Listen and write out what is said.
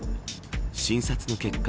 診察の結果